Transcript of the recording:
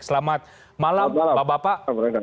selamat malam bapak bapak